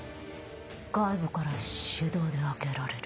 外部から手動で開けられる？